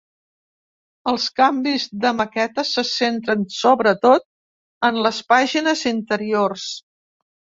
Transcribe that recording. Els canvis de maqueta se centren sobretot en les pàgines interiors.